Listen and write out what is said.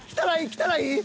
来たらいい？